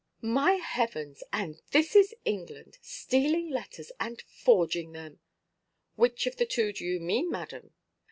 "My Heavens! And this is England! Stealing letters, and forging them——" "Which of the two do you mean, madam?"